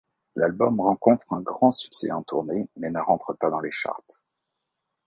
L'album rencontre un grand succès en tournée mais ne rentre pas dans les charts.